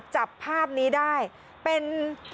จับภาพนี้ได้เป็น